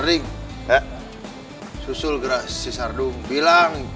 sarding susul gerah si sardung bilang